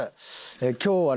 今日はね